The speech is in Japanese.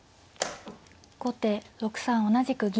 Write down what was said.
後手６三同じく銀。